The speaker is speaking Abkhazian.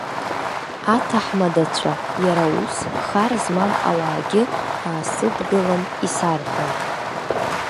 Аҭаҳмадацәа, иара ус хар змам ауаагьы аасыдгылан исарҳәон.